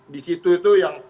di situ itu yang